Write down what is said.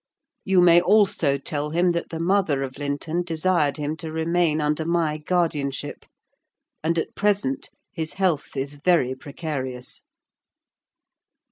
You may also tell him that the mother of Linton desired him to remain under my guardianship; and, at present, his health is very precarious."